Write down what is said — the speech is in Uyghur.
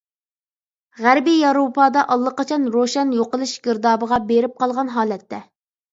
غەربىي ياۋروپادا ئاللىقاچان روشەن يوقىلىش گىردابىغا بېرىپ قالغان ھالەتتە.